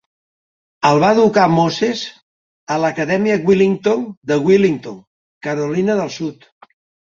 El va educar Moses a l'acadèmia Willington de Willington, Carolina del Sud.